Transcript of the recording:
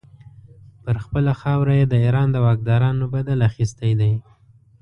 پر خپله خاوره یې د ایران د واکدارانو بدل اخیستی دی.